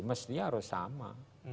mestinya harus sama